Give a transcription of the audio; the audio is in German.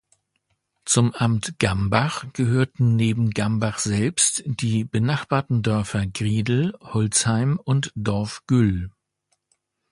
Zum Amt Gambach gehörten neben Gambach selbst die benachbarten Dörfer Griedel, Holzheim und Dorf-Güll.